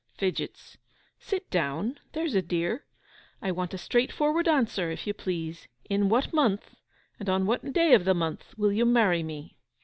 'Fidgets. Sit down, there's a dear. I want a straightforward answer, if you please. In what month, and on what day of the month, will you marry me?